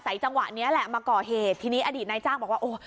จังหวะนี้แหละมาก่อเหตุทีนี้อดีตนายจ้างบอกว่าโอ้ย